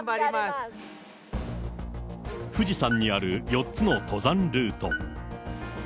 富士山にある４つの登山ルート。